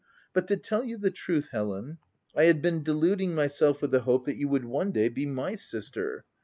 " But, to tell you the truth Helen, I had been deluding myself with the hope that you would one day be my sister.